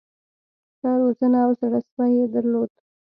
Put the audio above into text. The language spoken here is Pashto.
ښه روزنه او زړه سوی یې درلود.